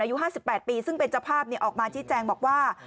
อายุ๕๘ปีซึ่งเป็นเจ้าภาพออกมาชี้แจงบอกว่า